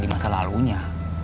di masa lalunya